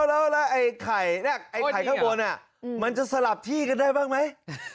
แล้วไอ้ไข่ข้างบนมันจะสลับที่กันได้บ้างไหม